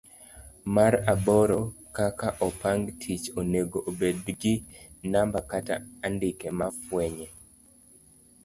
mar aboro. kaka opang tich onego obed gi namba kata andike ma fwenye.